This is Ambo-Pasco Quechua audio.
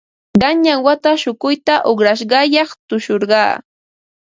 Qanyan wata shukuyta uqrashqayaq tushurqaa.